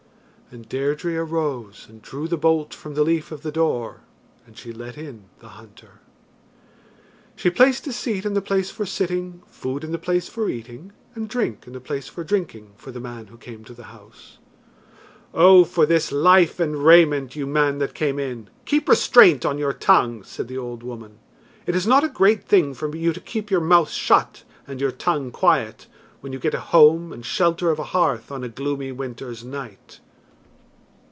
And Deirdre arose and drew the bolt from the leaf of the door, and she let in the hunter. She placed a seat in the place for sitting, food in the place for eating, and drink in the place for drinking for the man who came to the house. "Oh, for this life and raiment, you man that came in, keep restraint on your tongue!" said the old woman. "It is not a great thing for you to keep your mouth shut and your tongue quiet when you get a home and shelter of a hearth on a gloomy winter's night."